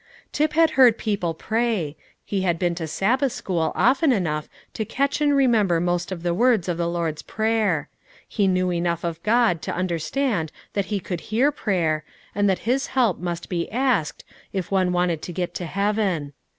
Tip had heard people pray; he had been to Sabbath school often enough to catch and remember most of the words of the Lord's Prayer; he knew enough of God to understand that He could hear prayer, and that His help must be asked if one wanted to get to heaven.